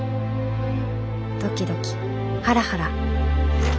ドキドキハラハラ。